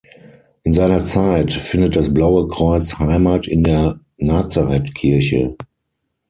In seiner Zeit findet das Blaue Kreuz Heimat in der Nazarethkirche.